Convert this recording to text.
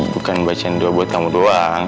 bukan baca doa buat kamu doang